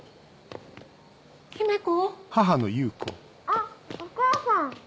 あっお母さん！